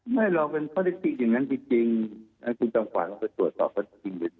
ไม่หรอกเป็นปฏิติกิจอย่างนั้นจริงคุณจำฝาต้องไปตรวจสอบปฏิติกิจ